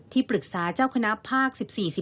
ปรึกษาเจ้าคณะภาค๑๔๑๕